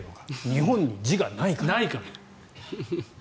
日本に字がないから。